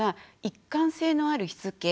一貫性のあるしつけ？